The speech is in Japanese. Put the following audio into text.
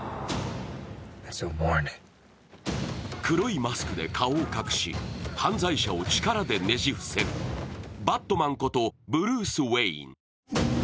黒いマスクで顔を隠し、犯罪者を力でねじ伏せる、バットマンことブルース・ウェイン。